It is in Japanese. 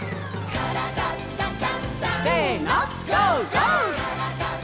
「からだダンダンダン」せのＧＯ！